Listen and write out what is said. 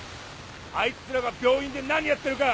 あいつらが病院で何やってるか！